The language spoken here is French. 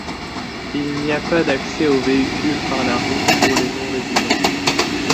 Il n'y a pas d'accès aux véhicules par la route pour les non résidents.